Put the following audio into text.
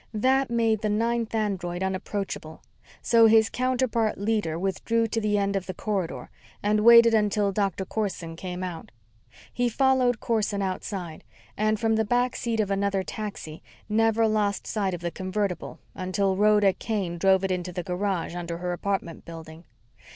That made the ninth android unapproachable, so his counterpart leader withdrew to the end of the corridor and waited until Doctor Corson came out. He followed Corson outside and, from the back seat of another taxi, never lost sight of the convertible until Rhoda Kane drove it into the garage under her apartment building.